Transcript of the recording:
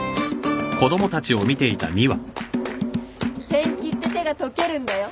ペンキって手が溶けるんだよ。